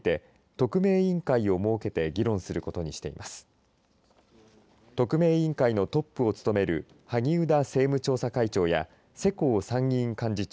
特命委員会のトップを務める萩生田政務調査会長や世耕参議院幹事長